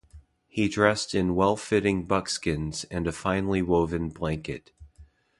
He dressed in well-fitting buckskins and a finely woven blanket.